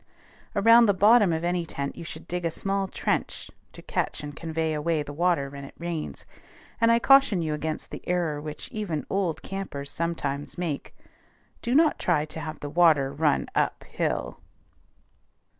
Around the bottom of any tent you should dig a small trench to catch and convey away the water when it rains; and I caution you against the error which even old campers sometimes make, do not try to have the water run up hill.